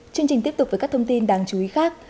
chương trình tiếp tục với các thông tin đáng chú ý khác